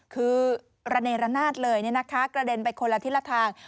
คือระเนรนาศเลยกระเด็นไปคนละทิศละทาง